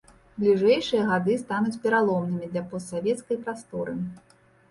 Бліжэйшыя гады стануць пераломнымі для постсавецкай прасторы.